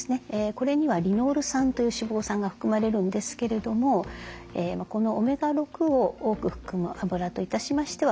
これにはリノール酸という脂肪酸が含まれるんですけれどもこのオメガ６を多く含むあぶらといたしましては